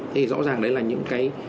thì rõ ràng đấy là những cái